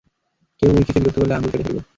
কেউ উইকিকে বিরক্ত করলে, আঙুল কেটে ফেলব।